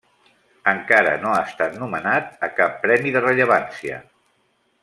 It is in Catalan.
Encara no ha estat nomenat a cap premi de rellevància.